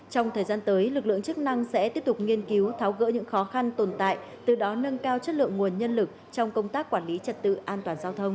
trong thời gian tới lực lượng chức năng sẽ tiếp tục nghiên cứu tháo gỡ những khó khăn tồn tại từ đó nâng cao chất lượng nguồn nhân lực trong công tác quản lý trật tự an toàn giao thông